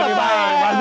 pasti lebih baik